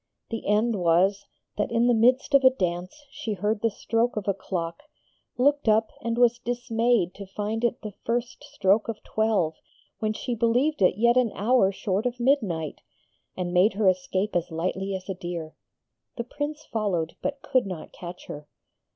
The end was, that in the midst of a dance she heard the stroke of a clock, looked up, was dismayed to find it the first stroke of twelve when she believed it yet an hour short of midnight, and made her escape as lightly as a deer. The Prince followed, but could not catch her.